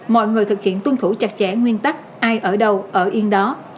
mọi người thực hiện tuân thủ chặt chẽ nguyên tắc ai ở đâu ở yên đó